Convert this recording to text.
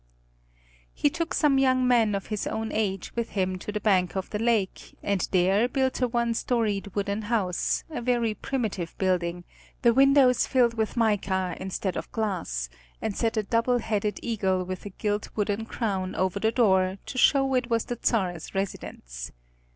He took some young men of his own age with him to the bank of the lake and there built a one storied wooden house, a very primitive building, the windows filled with mica instead of glass, and set a double headed eagle with a gilt wooden crown over the door to show it was the Czar's residence.